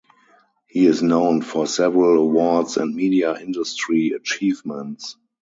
He is known for several awards and media industry achievements.